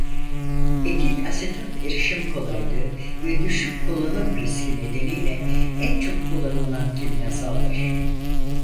Etil asetat erişim kolaylığı ve düşük kullanım riski nedeniyle en çok kullanılan kimyasaldır.